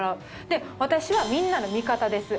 で私はみんなの味方です